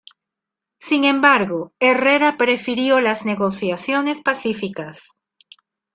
Sin embargo, Herrera prefirió las negociaciones pacíficas.